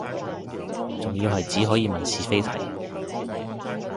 仲要係只可以問是非題